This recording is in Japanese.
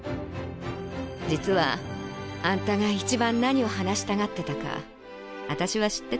実はあんたが一番何を話したがってたかあたしは知ってた。